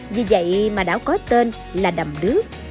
vì vậy mà đảo có tên là đầm đứa